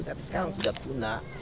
tapi sekarang sudah puna